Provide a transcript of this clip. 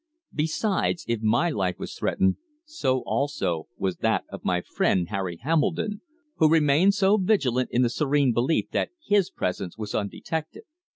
Besides, if my life was threatened, so also was that of my friend Harry Hambledon, who remained so vigilant in the serene belief that his presence was undetected.